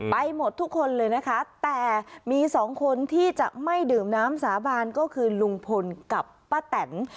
ไปหมดทุกคนเลยนะคะแต่มีสองคนที่จะไม่ดื่มน้ำสาบานก็คือลุงพลกับป้าแตน